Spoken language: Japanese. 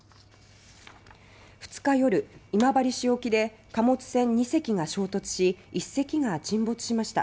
２日夜今治市沖で貨物船２隻が衝突し１隻が沈没しました。